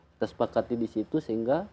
kita sepakati di situ sehingga